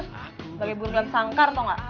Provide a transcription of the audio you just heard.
sebagai burgan sangkar tau gak